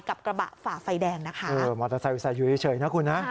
กับกระบะฝ่าไฟแดงนะคะเออมอเตอร์ไซค์อุตส่าห์อยู่เฉยนะคุณนะ